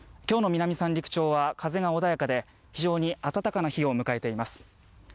今日の南三陸町は風が穏やかで非常に暖かな日を迎えています。